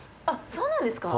そうなんです。